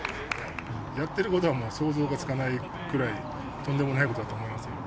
やってることはもう想像がつかないくらい、とんでもないことだと思いますよ。